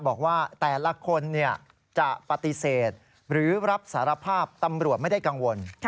บอกว่าแต่ละคนจะปฏิเสธหรือรับสารภาพตำรวจไม่ได้กังวล